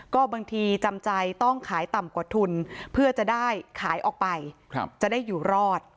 ก็บางทีจำใจต้องขายต่ำกว่าทุนเพื่อจะได้ขายออกไปจะได้อยู่รอด